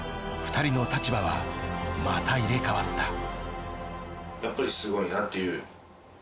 ２人の立場はまた入れ替わった。